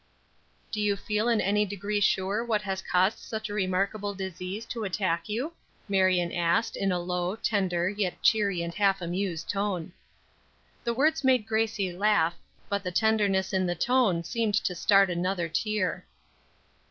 "Do you feel in any degree sure what has caused such a remarkable disease to attack you?" Marion asked, in a low, tender, yet cheery and a half amused tone. The words made Gracie laugh, but the tenderness in the tone seemed to start another tear.